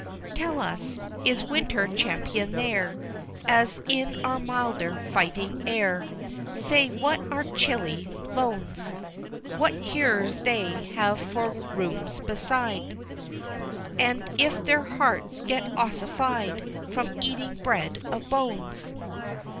XXVII. Tells us, is Winter champion there, As in our milder fighting air? Say, what are Chilly loans? What cures they have for rheums beside, And if their hearts get ossified From eating bread of bones?